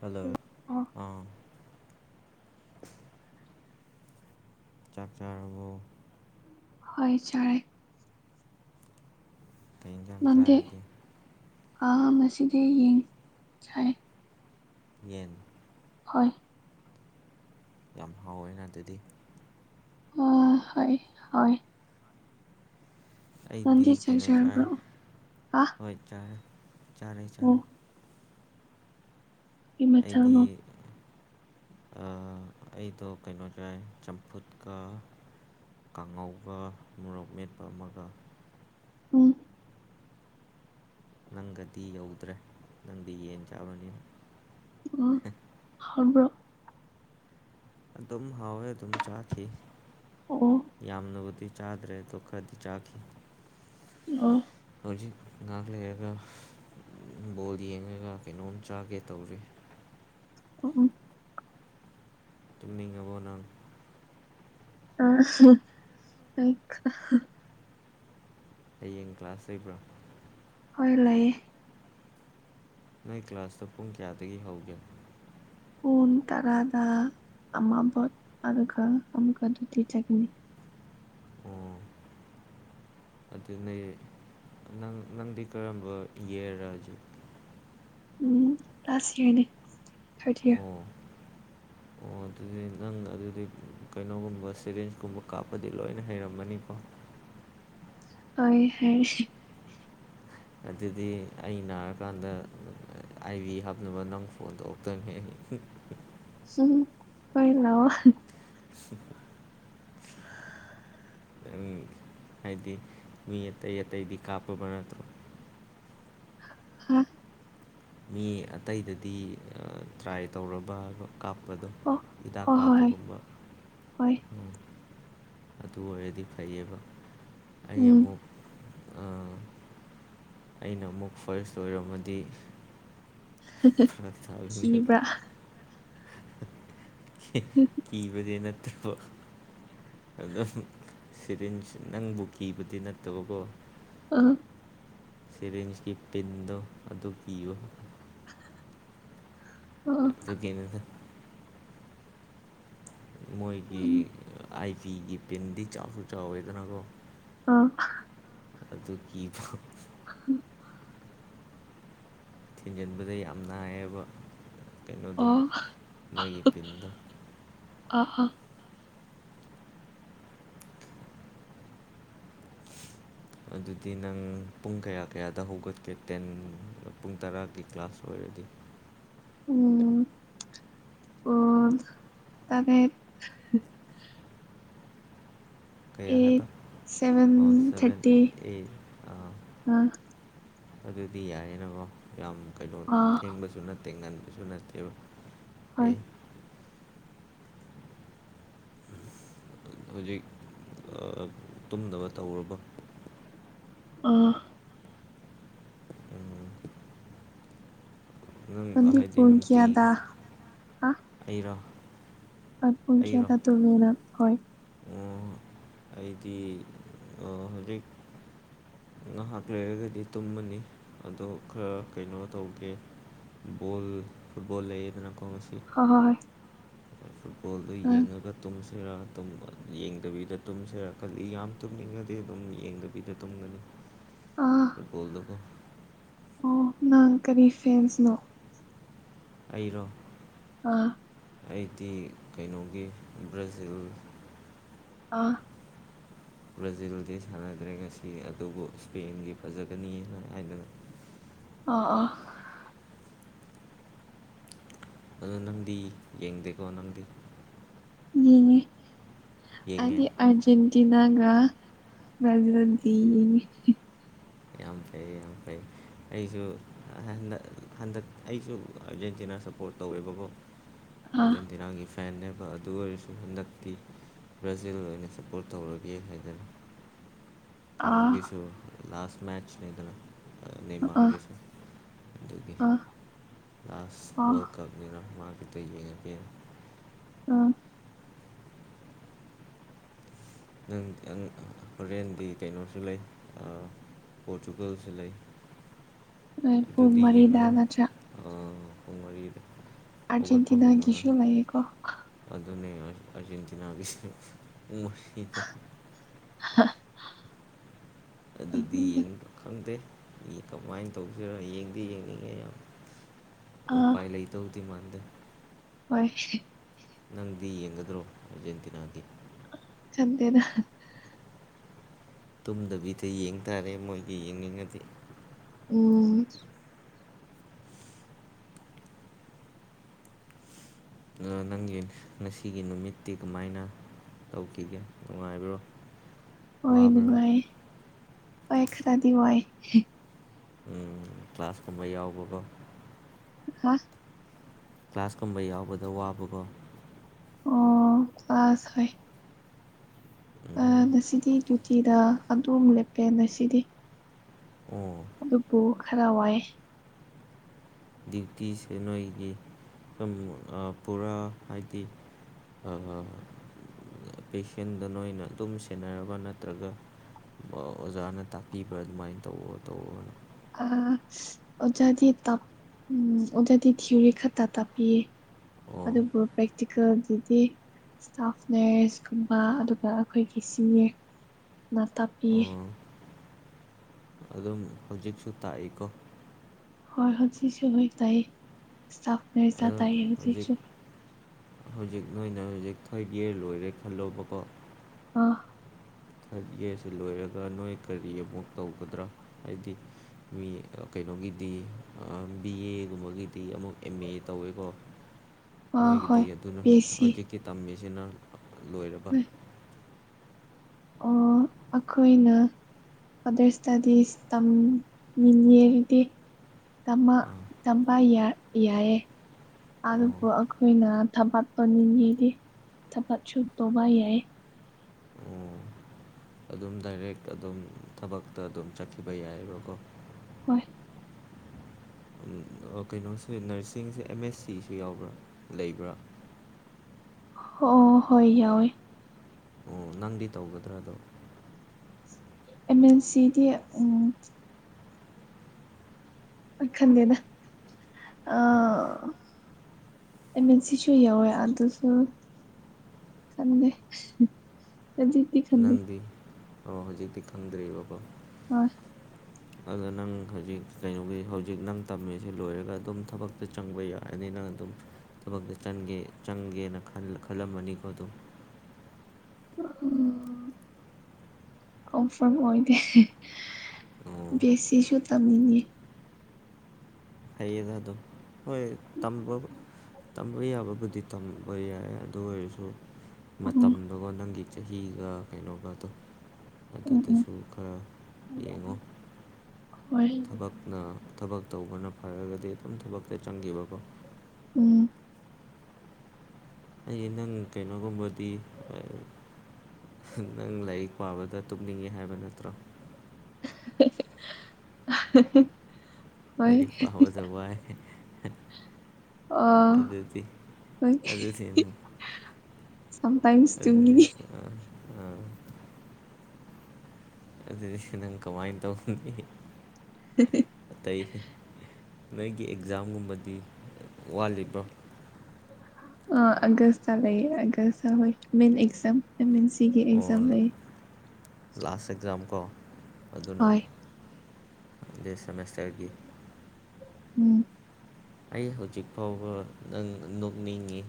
Hello ꯑꯣ ꯑꯥ ꯆꯥꯛ ꯆꯥꯔꯕꯣ ꯍꯣꯏ ꯆꯥꯔꯦ ꯀꯩ ꯏꯟꯁꯥꯡ ꯆꯥꯔꯒꯦ ꯑ ꯉꯁꯤꯗꯤ ꯌꯦꯟ ꯆꯥꯏ ꯌꯦꯟ ꯍꯣꯏ ꯌꯥꯝ ꯍꯥꯎꯋꯦꯅ ꯑꯗꯨꯗꯤ ꯑ ꯍꯏ ꯍꫭꯏ ꯑꯩꯗꯤ ꯅꯪꯗꯤ ꯆꯥꯛ ꯀꯩꯅꯣ ꯆꯥꯏ ꯆꯥꯔꯕ꯭ꯔꯣ ꯍꯥ ꯍꯣꯏ ꯆꯥꯔꯦ ꯆꯥꯔꯦ ꯑꯣ ꯆꯥꯔꯦ ꯀꯔꯤ ꯑꯩꯗꯤ ꯃꯊꯦꯜꯅꯣ ꯑ ꯑꯩꯗꯣ ꯀꯩꯅꯣ ꯆꯥꯏ ꯆꯝꯐꯨꯠꯀ ꯀꯥꯡꯉꯧꯒ ꯃꯣꯔꯣꯛ ꯃꯦꯠꯄ ꯑꯃꯒ ꯎꯝ ꯅꯪꯒꯗꯤ ꯌꯧꯗ꯭ꯔꯦ ꯅꯪꯗꯤ ꯌꯦꯟ ꯆꯥꯕꯅꯤ ꯑꫭ ꯍꯥꯎꯕ꯭ꯔꯣ ꯑꯗꯨꯝ ꯍꯥꯎꯋꯦ ꯑꯗꯨꯝ ꯆꯥꯈꯤ ꯑꯣ ꯌꯥꯝꯅꯕꯨꯗꯤ ꯆꯥꯗ꯭ꯔꯦ ꯑꯗꯣ ꯈꯔꯗꯤ ꯆꯥꯈꯤ ꯑꯣ ꯍꯧꯖꯤꯛ ꯉꯥꯛ ꯂꯩꯔꯒ ꯕꯣꯜ ꯌꯦꯡꯉꯒ ꯀꯩꯅꯣꯝ ꯆꯥꯒꯦ ꯇꯧꯔꯤ ꯑꯣ ꯎꯝ ꯇꯨꯝꯅꯤꯡꯉꯕꯣ ꯅꯪ ꯑ [unintelligible] ꯍꯌꯦꯡ ꯀ꯭ꯂꯥꯁ ꯂꯩꯕ꯭ꯔ ꯍꯣꯏ ꯂꯩꯌꯦ ꯅꯣꯏ ꯀ꯭ꯂꯥꯁꯇꯣ ꯄꯨꯡ ꯀꯌꯥꯗꯒꯤ ꯍꯧꯒꯦ ꯄꯨꯡ ꯇꯔꯥꯗ ꯑꯃꯕꯣꯠ ꯑꯗꯨꯒ ꯑꯃꯨꯛꯀ ꯇꯤꯀꯦ ꯆꯀꯅꯤ ꯎꯝ ꯑꯗꯨꯅꯦ ꯅꯪ ꯅꯪꯗꯤ ꯀꯔꯝꯕ ꯌꯦꯔꯥ ꯍꯖꯤ ꯎꯝ ꯂꯥꯁ ꯌꯔꯅꯦ ꯊꯥꯔꯗ ꯌꯥꯔ ꯑꯣ ꯑꯣ ꯑꯗꯨꯗꯤ ꯅꯪ ꯑꯗꯨꯗꯤ ꯀꯩꯅꯣꯒꯨꯝꯕ ꯁꯦꯔꯤꯟꯁꯀꯨꯝꯕ ꯀꯥꯞꯄꯗꯤ ꯂꯣꯏꯅ ꯍꯩꯔꯝꯃꯅꯤꯀꯣ ꯍꫭꯏ ꯍꯩ ꯑꯗꯨꯗꯤ ꯑꯩ ꯅꯥꯔꯀꯥꯟꯗ ꯑꯥꯏꯚꯤ ꯍꯥꯞꯅꯕ ꯅꯪ ꯐꯣꯟ ꯇꯧꯔꯛꯇꯣꯏꯃꯤ [unintelligible] ꯆꯤꯡ ꯍꫭꯏ ꯂꯧ [unintelligible] [unintelligible] ꯑꯩ ꯍꯥꯏꯗꯤ ꯃꯤ ꯑꯇꯩ ꯑꯇꯩꯗꯤ ꯀꯥꯞꯄꯕ ꯅꯠꯇ꯭ꯔꯣ [unintelligible] ꯃꯤ ꯑꯇꯩꯗꯗꯤ ꯇ꯭ꯔꯥꯏ ꯇꯧꯔꯕꯕ ꯀꯥꯞꯄꯗꯣ ꯍꯤꯗꯥꯛ ꯑꯣ ꯍꯣꯏ ꯀꯥꯞꯄꯒꯨꯝꯕ ꯍꯣꯏ ꯍꯣꯏ ꯎꯝ ꯑꯗꯨ ꯑꯣꯏꯔꯗꯤ ꯐꯩꯌꯦꯕ ꯑꯩ ꯎꯝ ꯑꯃꯨꯛ ꯑ ꯑꯩꯅ ꯑꯃꯨꯛ ꯐꯔꯁ ꯑꯣꯏꯔꯝꯃꯗꯤ ꯐꯔꯛ [unintelligible] ꯇꯥꯗꯣꯏꯅꯦꯕ ꯀꯤꯕ꯭ꯔꯥ [unintelligible] ꯀꯤꯕꯗꯤ ꯅꯠꯇꯕ ꯑꯗꯝ ꯁꯤꯔꯤꯟꯁ ꯅꯪꯕꯨ ꯀꯤꯕꯗꯤ ꯅꯠꯇꯕꯀꯣ ꯑ ꯊꯤꯔꯤꯟꯁꯀꯤ ꯄꯤꯟꯗꯣ ꯑꯗꯨ ꯀꯤꯕ [unintelligible] [unintelligible] ꯃꯣꯏꯒꯤ ꯎꯝ ꯑꯥꯏ ꯄꯤꯒꯤ ꯄꯤꯟꯗꯤ ꯆꯥꯎꯁꯨ ꯆꯥꯎꯋꯦꯗꯅꯀꯣ ꯑ ꯑꯗꯨꯒꯤ [unintelligible] [unintelligible] ꯊꯤꯟꯖꯟꯕꯗ ꯌꯥꯝ ꯅꯥꯏꯌꯦꯕ ꯀꯩꯅꯣꯗꯣ ꯑꯣ ꯃꯣꯏꯒꯤ ꯇꯤꯟꯗꯣ ꯑꯥ ꯑꯥ ꯑꯗꯨꯗꯤ ꯅꯪ ꯄꯨꯡ ꯀꯌꯥ ꯀꯌꯥꯗ ꯍꯧꯒꯠꯀꯦ ꯇꯦꯟ ꯄꯨꯡ ꯇꯔꯥꯒꯤ ꯀ꯭ꯂꯥꯁ ꯑꯣꯏꯔꯗꯤ ꯎꯝ ꯄꯨꯡ ꯇꯔꯦꯠ ꯀꯌꯥ ꯍꯥꯏꯕ ꯑꯩꯠ ꯑꯣ ꯁꯚꯦꯟ ꯁꯚꯦꯟ ꯊꯥꯔꯇꯤ ꯑꯩꯠ ꯑꯥ ꯑ ꯑꯗꯨꯗꯤ ꯌꯥꯏꯌꯦꯅꯀꯣ ꯌꯥꯝ ꯀꯩꯅꯣ ꯑ ꯊꯦꯡꯕꯁꯨ ꯅꯠꯇꯦ ꯉꯟꯕꯁꯨ ꯅꯠꯇꯦꯕ ꯍꯣꯏ ꯑꯩ ꯍꯧꯖꯤꯛ ꯑ ꯇꯨꯝꯗꯕ ꯇꯧꯔꯕ ꯑ ꯎꯝ ꯅꯪ ꯅꯪꯗꯤ ꯍꯥꯏꯗꯤ ꯄꯨꯡ ꯅꯨꯡꯇꯤ ꯀꯌꯥꯗ ꯑꯩꯔꯥ ꯑ ꯄꯨꯡ ꯀꯌꯥꯗ ꯇꯨꯝꯅꯤ ꯅꯈꯣꯏ ꯑꯣ ꯑꯩꯗꯤ ꯑ ꯍꯧꯖꯤꯛ ꯉꯥꯏꯍꯥꯛ ꯂꯩꯔꯒꯗꯤ ꯇꯨꯝꯃꯅꯤ ꯑꯗꯣ ꯈꯔ ꯀꯩꯅꯣ ꯇꯧꯒꯦ ꯕꯣꯜ ꯐꯨꯠꯕꯣꯜ ꯂꯩꯌꯦꯗꯅ ꯀꯣ ꯉꯁꯤ ꯑꯍꯣꯏ ꯐꯨꯠꯕꯣꯜꯗꯣ ꯌꯦꯡꯉꯒ ꯇꯨꯝꯁꯤꯔ ꯇꯧꯕ ꯌꯦꯡꯗꯕꯤꯗ ꯇꯨꯝꯁꯤꯔꯥ ꯈꯜꯂꯤ ꯌꯥꯝ ꯇꯨꯝꯅꯤꯡꯉꯗꯤ ꯑꯗꯨꯝ ꯌꯦꯡꯗꯕꯤ ꯜꯗꯕꯤꯗ ꯇꯨꯝꯒꯅꯤ ꯑ ꯑ ꯐꯨꯠꯕꯣꯜꯗꯨꯀꯣ ꯑꯣ ꯅꯪ ꯀꯔꯤ ꯐꯦꯟꯁꯅꯣ ꯑꯩꯔꯣ ꯑ ꯑꯩꯗꯤ ꯀꯩꯅꯣꯒꯤ ꯕ꯭ꯔꯥꯖꯤꯜ ꯑꯥ [inaudible] ꯕ꯭ꯔꯥꯖꯤꯜꯗꯤ ꯁꯥꯟꯅꯗ꯭ꯔꯦ ꯉꯁꯤ ꯑꯗꯨꯕꯨ ꯏꯁꯄꯦꯟꯒꯤ ꯐꯖꯒꯅꯤ ꯍꯥꯏꯗꯅ ꯑ ꯑ ꯑꯗꯣ ꯅꯪꯗꯤ ꯌꯦꯡꯗꯦꯀꯣ ꯅꯪꯗꯤ ꯌꯦꯡꯉꯤ ꯌꯦꯡꯉꯦ ꯑꯩꯗꯤ ꯑꯔꯖꯦꯟꯇꯤꯅꯥꯒ ꯕ꯭ꯔꯖꯤꯜꯒꯗꯤ ꯌꯦꯡꯉꯤ ꯌꯥꯝ ꯐꯩ ꯌꯥꯝ ꯐꯩ ꯑꯩꯁꯨ ꯍꯟꯗꯛ ꯑꯩꯁꯨ ꯑꯥꯔꯖꯦꯟꯇꯤꯅꯥ ꯁꯞꯄꯣꯔꯠ ꯇꯧꯋꯦꯕꯀꯣ ꯑꯥ ꯑꯦꯟꯖꯦꯟꯇꯤꯅꯒꯤ ꯐꯦꯟꯅꯦꯕ ꯑꯗꯨ ꯑꯣꯏꯔꯁꯨ ꯍꯟꯗꯛꯇꯤ ꯕ꯭ꯔꯥꯖꯤꯜ ꯑꯣꯏꯅ ꯁꯞꯄꯣꯔꯠ ꯇꯧꯔꯒꯦ ꯍꯥꯏꯗꯅ ꯑꯥ ꯀꯩꯅꯣꯒꯤꯁꯨ ꯂꯥꯁ ꯃꯦꯆ ꯂꯩꯗꯅ ꯑꯥ ꯅꯦꯃꯕꯒꯤꯁꯨ ꯑꯗꯨꯒꯤ ꯑꯥ ꯂꯥꯁ ꯑꯥ ꯋꯥꯔꯜ ꯀꯞꯅꯤꯅ ꯃꯥ ꯈꯤꯇ ꯌꯦꯡꯉꯒꯦ ꯑ ꯅꯪ ꯅꯪ ꯍꯣꯔꯦꯟꯗꯤ ꯀꯩꯅꯣꯁꯨ ꯂꯩ ꯑ ꯄꯣꯔꯆꯨꯒꯜꯁꯨ ꯂꯩ ꯍꯣꯏ ꯄꯨꯡ ꯑꯗꯨꯗꯤ ꯃꯔꯤꯗ ꯌꯦꯡꯉꯔꯣꯏ ꯅꯠꯇ꯭ꯔꯥ ꯑ ꯄꯨꯡ ꯋꯥꯔꯤꯗꯩ ꯑꯔꯖꯦꯟꯇꯤꯅꯒꯤꯁꯨ ꯂꯩꯌꯦꯀꯣ ꯑꯗꯨꯅꯦ ꯑꯔꯖꯦꯟꯇꯤꯅꯥꯒꯤ [unintelligible] [unintelligible] ꯑꯗꯨꯗꯤ ꯌꯦꯡꯕ ꯈꯪꯗꯦ ꯃꯤ ꯀꯃꯥꯏꯅ ꯇꯧꯗꯣꯏꯔ ꯌꯦꯡꯗꯤ ꯌꯦꯡꯅꯤꯡꯉꯦ ꯑꯥ ꯎꯄꯥꯏ ꯂꯩ ꯗꯧꯗꯤ ꯃꯗꯦ ꯍꯣꯏ ꯅꯪꯗꯤ ꯌꯦꯡꯒꯗ꯭ꯔꯣ ꯑꯔꯖꯦꯟꯇꯤꯅꯥꯒꯤ ꯆꯪꯗꯦꯗꯥ ꯇꯨꯝꯗꯕꯤꯗ ꯌꯦꯡ ꯇꯥꯔꯦ ꯃꯣꯏꯒꯤ ꯌꯦꯡꯅꯤꯡꯉꯗꯤ ꯎꯝ ꯑꯥ ꯅꯪꯒꯤ ꯉꯁꯤꯒꯤ ꯅꯨꯃꯤꯠꯇꯤ ꯀꯃꯥꯏꯅ ꯇꯧꯈꯤꯒꯦ ꯅꯨꯡꯉꯥꯏꯕ꯭ꯔꯣ ꯑꯣꯏ ꯋꯥꯕ꯭ꯔꯣ ꯅꯨꯡꯉꯥꯏ ꯑꯩ ꯈꯔꯗꯤ ꯋꯥꯏ [unintelligible] ꯎꯝ ꯀ꯭ꯂꯥꯁ ꯀꯨꯝꯕ ꯌꯥꯎꯕꯒꯣ ꯍꯥ ꯀ꯭ꯂꯥꯁꯀꯨꯝꯕ ꯌꯥꯎꯕꯗ ꯋꯥꯕꯀꯣ ꯑꯣ ꯀ꯭ꯂꯥꯁ ꯍꯣꯏ ꯑꯥ ꯎꯝ ꯉꯁꯤꯗꯤ ꯇꯣꯇꯤ ꯗꯌꯇꯤꯗ ꯑꯗꯨꯝ ꯂꯦꯞꯄꯦ ꯉꯁꯤꯗꯤ ꯑꯣ ꯑꯗꯨꯕꯨ ꯈꯔ ꯋꯥꯏ ꯗ꯭ꯌꯨꯇꯤꯁꯦ ꯅꯣꯏꯒꯤ ꯄꯨꯡ ꯄꯨꯔꯥ ꯍꯥꯏꯗꯤ ꯑꯥ ꯄꯦꯁꯦꯟꯗ ꯅꯣꯏꯅ ꯑꯗꯨꯝ ꯁꯦꯟꯅꯔꯕ ꯅꯠꯇ꯭ꯔꯒ ꯑꯣꯖꯥꯅ ꯇꯥꯛꯄꯤꯕ꯭ꯔꯥ ꯑꯗꯨꯃꯥꯏꯅ ꯇꯧꯑꯣ ꯇꯧꯑꯣꯅ ꯑꯥ ꯑꯣꯖꯥꯗꯤ ꯇꯄ ꯎꯝ ꯑꯣꯖꯥꯗꯤ ꯊꯤꯎꯔꯤ ꯈꯛꯇ ꯇꯥꯛꯄꯤꯌꯦ ꯑꯣ ꯑꯗꯨꯕꯨ ꯄ꯭ꯔꯦꯛꯇꯤꯀꯦꯜꯒꯤꯗꯤ ꯏꯁ꯭ꯇꯥꯐ ꯅꯔꯁꯀꯨꯝꯕ ꯑꯗꯨꯒ ꯑꯩꯈꯣꯏꯒꯤ ꯁꯤꯅꯦꯌꯔ ꯅꯥ ꯇꯥꯛꯄꯤꯌꯦ ꯑꯣ ꯑꯗꯨꯝ ꯍꯧꯖꯤꯛꯁꯨ ꯇꯥꯛꯏꯀꯣ ꯍꯣꯏ ꯍꯧꯖꯤꯛꯁꯨ ꯂꯣꯏꯅ ꯇꯥꯌꯦ ꯏꯁ꯭ꯇꯥꯐ [unintelligible] ꯑꯗꯨꯝ ꯇꯥꯌꯦ ꯍꯧꯖꯤꯛ ꯍꯧꯖꯤꯛꯁꯨ ꯍꯧꯖꯤꯛ ꯅꯣꯏꯅ ꯍꯧꯖꯤꯛ ꯈꯣꯏꯒꯤ ꯂꯣꯏꯔꯦ ꯈꯜꯂꯣꯕꯀꯣ ꯑꯥ ꯕꯦꯁꯤ ꯂꯣꯏꯔꯒ ꯅꯣꯏ ꯀꯔꯤ ꯑꯃꯨꯛ ꯇꯧꯒꯗ꯭ꯔꯥ ꯍꯥꯏꯗꯤ ꯃꯤ ꯀꯩꯅꯣꯒꯤꯗꯤ ꯕꯤ ꯑꯦꯒꯨꯝꯕꯒꯤꯗꯤ ꯑꯃꯨꯛ ꯑꯦꯝ ꯑꯦ ꯇꯧꯋꯦꯀꯣ ꯑꯥ ꯅꯣꯏꯒꯤꯗꯤ ꯍꯣꯏ ꯑꯗꯨꯅ ꯄꯤ ꯑꯩꯆ ꯁꯤ ꯍꯧꯖꯤꯛꯀꯤ ꯇꯝꯃꯤꯁꯤꯅ ꯂꯣꯏꯔꯕ ꯍꯣꯏ ꯑꯣ ꯑꯩꯈꯣꯏꯅ ꯑꯗꯣ ꯏꯁꯤꯇꯗꯤ ꯇꯝ ꯅꯤꯉꯦ ꯑꯩꯗꯤ ꯇꯝꯃꯥ ꯑꯥ ꯇꯝꯃꯥ ꯌꯥꯏ ꯌꯦ ꯑꯗꯥ ꯑꯣ ꯄꯣꯔꯛꯑꯒꯥ ꯑꯩꯈꯣꯏꯅ ꯊꯕꯛ ꯇꯧꯅꯤꯡꯉꯤꯗꯤ ꯊꯕꯛ ꯁꯨ ꯇꯧꯕ ꯌꯥꯏꯌꯦ ꯑꯣ ꯑꯗꯨꯝ ꯗꯥꯏꯔꯦꯛ ꯑꯗꯨꯝ ꯊꯕꯛꯇ ꯑꯗꯨꯝ ꯆꯠꯈꯤꯕ ꯌꯥꯏꯑꯦꯕꯀꯣ ꯍꯣꯏ [unintelligible] ꯀꯩꯅꯣꯁꯦ ꯅꯔꯁꯤꯡꯁꯦ ꯑꯦꯝ ꯑꯦꯁ ꯁꯤꯁꯨ ꯌꯥꯎꯕ꯭ꯔꯥ ꯂꯩꯕ꯭ꯔꯥ ꯑꯣ ꯍꯣꯏ ꯌꯥꯎꯋꯦ ꯑꯣ ꯅꯪꯗꯤ ꯇꯧꯒꯗ꯭ꯔꯗꯣ ꯑꯦꯝ ꯑꯦꯟ ꯁꯤꯗꯤ ꯎꯝ꯫ ꯑꯩ ꯈꯜꯂꯦꯗ ꯑꯥ ꯑꯦꯝ ꯑꯦꯟ ꯁꯤꯁꯨ ꯌꯥꯎꯋꯦ ꯑꯗꯨꯁꯨ ꯈꯪꯗꯦ ꯅꯪꯗꯤ ꯑꯣ ꯍꯧꯖꯤꯛꯇꯤ ꯈꯪꯗ꯭ꯔꯤꯕꯀꯣ ꯍꯣꯏ [unintelligible] ꯑꯗꯣ ꯅꯪ ꯍꯧꯖꯤꯛ ꯀꯩꯅꯣꯒꯤ ꯍꯧꯖꯤꯛ ꯅꯪ ꯇꯝꯃꯤꯁꯤ ꯂꯣꯏꯔꯒ ꯑꯗꯨꯝ ꯊꯕꯛꯇ ꯆꯪꯕ ꯌꯥꯔꯅꯤ ꯅꯪ ꯑꯗꯨꯝ ꯊꯕꯛꯇ ꯆꯪꯒꯦ ꯆꯪꯒꯦꯅ ꯈꯜ ꯈꯜꯂꯝꯃꯅꯤꯀꯣ ꯑꯗꯨꯝ ꯎꯝ ꯀꯣꯝꯐ꯭ꯥꯔꯝ ꯑꯣꯏꯗꯦ꯫ ꯑꯣ ꯕꯦꯁꯤꯁꯨ ꯇꯝꯅꯤꯡꯉꯤ꯫ ꯐꯩꯌꯦꯗ ꯑꯗꯨꯝ ꯍꯣꯏ ꯇꯝꯕ__ ꯇꯝꯕ ꯌꯥꯕꯕꯨꯗꯤ ꯇꯝꯕ ꯌꯥꯏ ꯑꯗꯨ ꯑꯣꯏꯔꯁꯨ ꯎꯝ ꯃꯇꯝꯗꯨꯒ ꯅꯪꯒꯤ ꯆꯍꯤꯒ ꯀꯩꯅꯣꯒꯗꯣ ꯎꯝ ꯑꯗꯨꯗꯁꯨ ꯈꯔ ꯎꯝ ꯌꯦꯡꯉꯣ ꯍꯣꯏ ꯊꯕꯛ ꯅ ꯊꯕꯛ ꯇꯧꯕꯅ ꯐꯔꯒꯗꯤ ꯑꯗꯨꯝ ꯊꯕꯛꯇ ꯆꯪꯒꯤꯕꯀꯣ ꯎꯝ ꯑꯩ ꯅꯪ ꯀꯩꯅꯣꯒꯨꯝꯕꯗꯤ ꯑꯥ ꯅꯪ ꯂꯥꯏꯌꯤꯛ ꯄꯥꯕꯗ ꯇꯨꯞꯅꯤꯡꯉꯤ ꯍꯥꯏꯕ ꯅꯠꯇ꯭ꯔꯣ [unintelligible] ꯂꯥꯏꯔꯤꯛ ꯄꯥꯕꯗ ꯋꯥꯏ ꯑꯥ ꯑꯗꯨꯗꯤ ꯍꯣꯏ ꯑꯗꯨꯗꯤ ꯁꯝ ꯇꯥꯏꯝꯁ ꯇꯨꯝꯅꯤꯡꯉꯤ ꯑꯥ ꯑꯥ ꯑꯗꯨꯗꯤ ꯅꯪ ꯀꯃꯥꯏꯅ ꯇꯧꯅꯤ [unintelligible] ꯑꯇꯩ ꯅꯣꯏꯒꯤ ꯑꯦꯛꯖꯥꯝꯒꯨꯝꯕꯗꯤ ꯋꯥꯠꯂꯤꯕꯣ ꯑꯥ ꯑꯥꯒꯁꯇꯥ ꯂꯩꯌꯦ ꯑꯥꯒꯁꯇꯥ ꯍꯣꯏ ꯃꯤꯟ ꯑꯦꯛꯖꯥꯝ ꯑꯦꯝ ꯑꯦꯟ ꯁꯤꯒꯤ ꯑꯣ ꯑꯦꯛꯖꯥꯝ ꯂꯩꯌꯦ ꯂꯥꯁ ꯑꯦꯛꯖꯥꯝ ꯀꯣ ꯑꯗꯨꯅ ꯍꯣꯏ ꯂꯤꯁ ꯁꯦꯃꯦꯁꯇꯔꯒꯤ ꯎꯝ ꯑꯩ ꯍꯧꯖꯤꯛ ꯐꯥꯎꯕ ꯅꯪ ꯅꯣꯛꯅꯤꯡꯉꯤ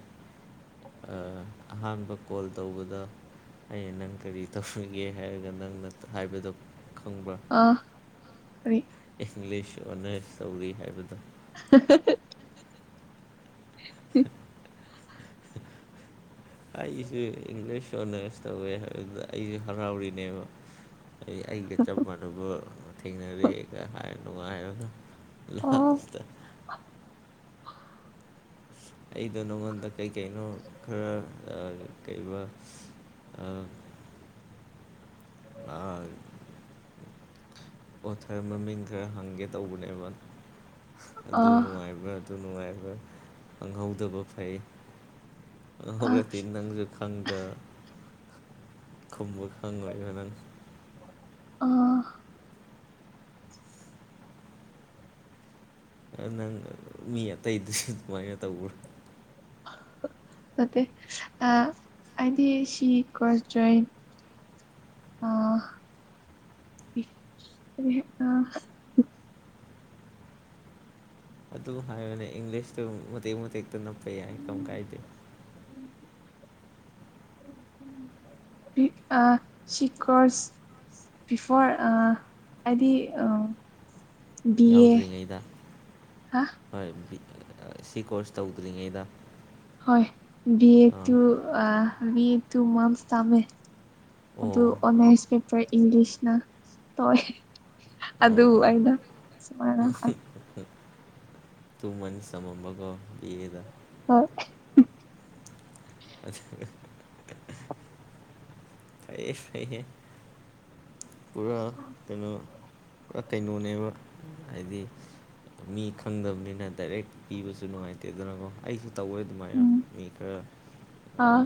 ꯑꯥ ꯑꯍꯥꯟꯕ ꯀꯣꯜ ꯇꯧꯕꯗ ꯑꯩ ꯅꯪ ꯀꯔꯤ ꯇꯧꯔꯤꯒꯦ ꯍꯥꯏꯕꯗ ꯅꯪꯅ ꯍꯥꯏꯕꯗꯣ ꯈꯪꯕ꯭ꯔꯥ ꯑꯥ ꯀꯔꯤ ꯏꯪꯍ꯭ꯂꯤꯁ ꯑꯣꯅꯔꯁ ꯇꯧꯔꯤ ꯍꯥꯏꯕꯗꯣ [unintelligible] [unintelligible] ꯑꯩꯁꯨ ꯏꯪꯂꯤꯁ ꯑꯣꯅꯔꯁ ꯇꯧꯋꯦ ꯍꯥꯏꯕꯗꯨꯗ ꯑꯩꯖꯨ ꯍꯔꯥꯎꯔꯤꯅꯦꯕ ꯑꯩ ꯑꯩꯒ ꯆꯞ ꯃꯥꯟꯅꯕ ꯊꯦꯡꯅꯔꯦꯒ ꯍꯥꯏꯔ ꯅꯨꯡꯉꯥꯏꯔꯒ ꯂꯥ__ ꯑꯣ ꯑꯩꯗꯣ ꯅꯉꯣꯟꯗ ꯀꯩꯀꯩꯅꯣ ꯈꯔ ꯑꯥ ꯀꯩꯕ ꯑꯥ ꯑꯥ ꯑꯣꯊꯔ ꯃꯃꯤꯡ ꯈꯔ ꯍꯪꯒꯦ ꯇꯧꯕꯅꯦꯕ ꯑꯗꯨ ꯑꯥ ꯅꯨꯡꯉꯥꯏꯕ꯭ꯔꯥ ꯑꯗꯨ ꯅꯨꯡꯉꯥꯏꯕ ꯈꯪꯍꯧꯗꯕ ꯐꯩ ꯑꯥ ꯈꯪꯍꯧꯔꯗꯤ ꯅꯪꯁꯨ ꯈꯪꯗ ꯈꯨꯝꯕ ꯈꯪꯉꯣꯏꯕ ꯅꯪ ꯑꯣ ꯑꯥ ꯅꯪ ꯃꯤ ꯑꯇꯩꯗꯨꯁꯨ ꯑꯗꯨꯃꯥꯏꯅ ꯇꯧꯕ꯭ꯔꯣ ꯅꯠꯇꯦ ꯑꯥ ꯑꯩꯗꯤ ꯁꯤ [unintelligible] ꯑ [unintelligible] ꯑꯥ ꯑꯗꯨꯝ ꯍꯥꯏꯔꯅꯦ ꯏꯪꯂꯤꯁꯇꯨ ꯃꯇꯦꯛ ꯃꯇꯦꯛꯇ ꯅꯞꯄ ꯌꯥꯏ ꯀꯝ ꯀꯥꯏꯗꯦ [inaudible] ꯏꯤ ꯑꯥ ꯁꯤ ꯀꯔꯣꯁ ꯕꯤꯐꯣꯔ ꯑꯥ ꯍꯥꯏꯗꯤ ꯕꯤ ꯑꯦ ꯌꯥꯎꯗ꯭ꯔꯤꯉꯩꯗ ꯍꯥ ꯍꯣꯏ ꯃꯤ ꯑꯥ ꯁꯤ ꯀꯣꯔꯁ ꯇꯧꯗ꯭ꯔꯤꯉꯩꯗ ꯍꯣꯏ ꯕꯤꯑꯠ ꯑꯥ ꯇꯨ ꯑꯥ ꯕꯤꯑꯠ ꯇꯨ ꯃꯁ ꯇꯝꯃꯦ ꯑꯗꯨ ꯑꯣ ꯑꯣꯅ꯭ꯔꯁ ꯄꯦꯄꯔ ꯏꯪꯂꯤꯁꯅ ꯇꯧꯋꯦ ꯑꯣ ꯑꯗꯨ ꯑꯣ ꯑꯩꯅ ꯁꯨꯃꯥꯏꯅ ꯇꯨ ꯃꯟꯁ ꯇꯝꯃꯝꯕꯀꯣ ꯕꯤ ꯑꯦ ꯗ ꯍꯣꯏ ꯍꯤ ꯑꯗꯨ [unintelligible] ꯐꯩꯌꯦ ꯐꯩꯍꯦ ꯄꯨꯔꯥ ꯀꯩꯅꯣ ꯄꯨꯔꯥ ꯀꯩꯅꯣꯅꯦꯕ ꯍꯥꯏꯗꯤ ꯃꯤ ꯈꯪꯗꯕꯅꯤꯅ ꯗꯥꯏꯔꯦꯛ ꯄꯤꯕꯁꯨ ꯅꯨꯡꯉꯥꯏꯇꯦꯗꯅꯀꯣ ꯑꯩꯁꯨ ꯇꯧꯋꯦ ꯑꯗꯨꯃꯥꯏ ꯎꯝ ꯃꯤ ꯈꯔ ꯑꯥ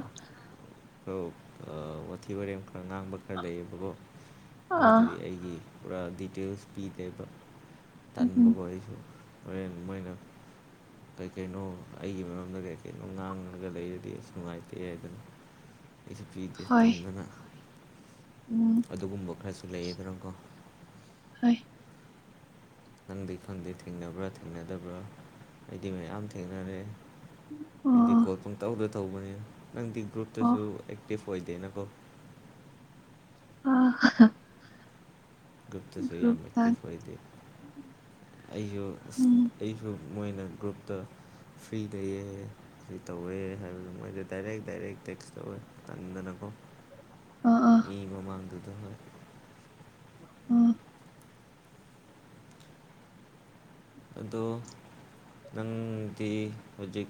ꯈꯔ ꯑꯥ ꯋꯥꯊꯤ ꯋꯥꯔꯦꯝ ꯈꯔ ꯉꯥꯡꯕ ꯈꯔ ꯂꯩꯌꯦꯕꯀꯣ ꯑꯥ ꯃꯣꯏꯗꯗꯤ ꯑꯩꯒꯤ ꯄꯨꯔꯥ ꯗꯤꯇꯦꯜꯁ ꯄꯤꯗꯦꯕ ꯎꯝ ꯎꯝ ꯇꯟꯕꯀꯣ ꯑꯩꯁꯨ ꯍꯣꯔꯦꯟ ꯃꯣꯏꯅ ꯀꯩ ꯀꯩꯅꯣ ꯑꯩꯒꯤ ꯃꯔꯝꯗ ꯀꯩ ꯀꯩꯅꯣ ꯉꯥꯡꯉꯒ ꯂꯩꯔꯗꯤ ꯑꯁ ꯅꯨꯡꯉꯥꯏꯇꯦ ꯍꯥꯏꯗꯅ ꯑꯩꯁꯨ ꯄꯤꯗꯦ ꯍꯣꯏ ꯇꯟꯗꯅ ꯎꯝ ꯑꯗꯨꯒꯨꯝꯕ ꯈꯔꯁꯨ ꯂꯩꯌꯦꯗꯅꯀꯣ ꯍꯣꯏ ꯅꯪꯗꯤ ꯈꯪꯗꯦ ꯊꯦꯡꯅꯕ꯭ꯔꯥ ꯊꯦꯡꯅꯗꯕ꯭ꯔꯥ ꯑꯩꯗꯤ ꯃꯌꯥꯝ ꯊꯦꯡꯅꯔꯦ ꯑꯣ ꯑꯩꯗꯤ ꯑꯣ ꯀꯣꯜ ꯄꯪꯇꯧꯗ ꯇꯧꯕꯅꯤꯅ ꯅꯪꯗꯤ ꯑꯣ ꯒ꯭ꯔꯨꯞꯇꯁꯨ ꯑꯦꯛꯇꯤꯞ ꯑꯣꯏꯗꯦꯅꯀꯣ ꯑꯣ ꯒ꯭ꯔꯨꯞꯇꯁꯨ ꯌꯥꯝ ꯒ꯭ꯔꯨꯞꯇ ꯑꯦꯛꯇꯤꯚ ꯑꯣꯏꯗꯦ ꯑꯩꯁꯨ ꯑꯁ ꯎꯝ ꯑꯩꯁꯨ ꯃꯣꯏꯅ ꯒ꯭ꯔꯨꯞꯇ ꯐ꯭ꯔꯤꯗ ꯌꯦꯛꯑꯦ ꯀꯔꯤ ꯇꯧꯋꯦ ꯍꯥꯏꯕꯗ ꯃꯣꯏꯗ ꯗꯥꯏꯔꯦꯛ ꯗꯥꯏꯔꯦꯛ ꯇꯦꯛꯁ ꯇꯧꯋꯦ ꯇꯟꯗꯅꯀꯣ ꯑꯥ ꯑꯥ ꯃꯤ ꯃꯃꯥꯡꯗꯨꯗ ꯍꯣꯏ ꯎꯝ ꯑꯗꯣ ꯅꯪ ꯗꯤ ꯍꯧꯖꯤꯛ